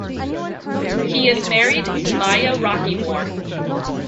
He is married to Maya Rockeymoore.